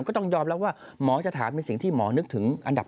เป็นความโรคมือ